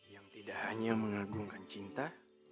yang tidak hanya mengagungkan cinta